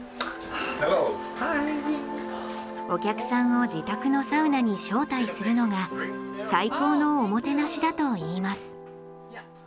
お客さんを自宅のサウナに招待するのが最高のおもてなしだといいます。